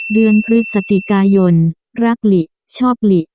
เดือนพฤศจิกายนรักหลิชอบหลี